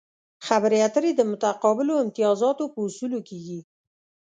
خبرې اترې د متقابلو امتیازاتو په اصولو کیږي